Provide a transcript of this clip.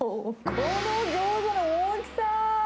このギョーザの大きさ。